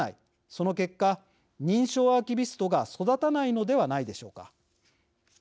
その結果、認証アーキビストが育たないのではないでしょうか。